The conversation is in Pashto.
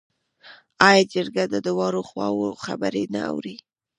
آیا جرګه د دواړو خواوو خبرې نه اوري؟